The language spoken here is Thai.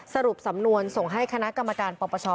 สรุปสำนวนส่งให้คณะกรรมการปปช